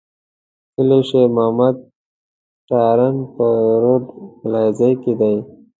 کلي شېر محمد تارڼ په رود ملازۍ کي دی.